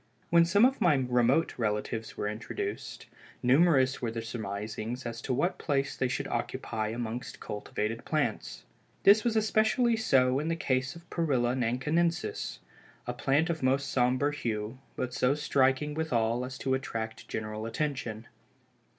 When some of my remote relatives were introduced, numerous were the surmisings as to what place they should occupy amongst cultivated plants. This was especially so in the case of Perilla Nankinensis, a plant of most sombre hue, but so striking withal as to attract general attention.